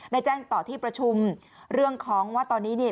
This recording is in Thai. ได้แจ้งต่อที่ประชุมเรื่องของว่าตอนนี้เนี่ย